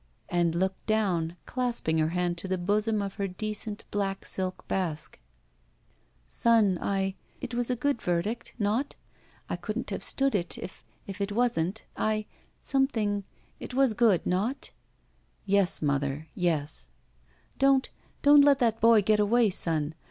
And looked down, clasping her hand to the bosom of her decent black silk basque. "Son, I — It was a good verdict, not? I — couldn't have stood it — if — if it wasn't. I — Some thing — It was good, not?" "Yes^ mother, yes." 29q ROULETTE n Don't — don't let that boy get away, son.